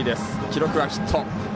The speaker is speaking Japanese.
記録はヒット。